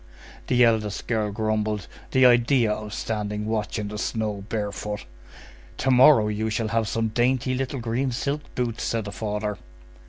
The eldest girl grumbled:— "The idea of standing watch in the snow barefoot!" "To morrow you shall have some dainty little green silk boots!" said the father.